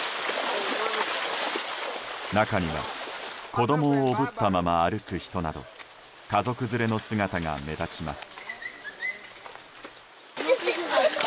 中には子供をおぶったまま歩く人など家族連れの姿が目立ちます。